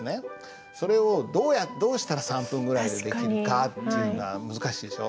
それをどうしたら３分ぐらいにできるかっていうのが難しいでしょ。